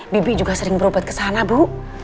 bibi juga sering berobat ke sana bu